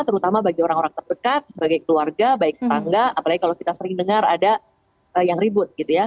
terutama bagi orang orang terdekat sebagai keluarga baik tangga apalagi kalau kita sering dengar ada yang ribut gitu ya